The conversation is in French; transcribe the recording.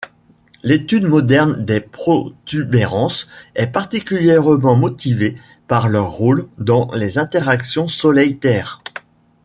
L'étude moderne des protubérances est particulièrement motivée par leur rôle dans les interactions Soleil-Terre.